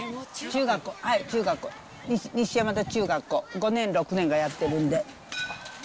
中学校、西山田中学校、５年、６年がやってるんで。